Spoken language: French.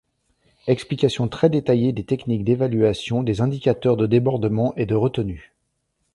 Explication très détaillée des techniques d'évaluation des indicateurs de débordement et de retenue.